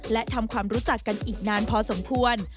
และทำความรู้จักกันอีกนานพอสมควร